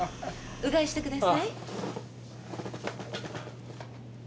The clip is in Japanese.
うがいしてください。